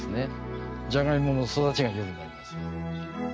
じゃがいもの育ちが良くなります。